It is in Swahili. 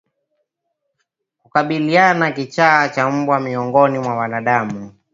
Kukabiliana na kichaa cha mbwa miongoni mwa wanadamu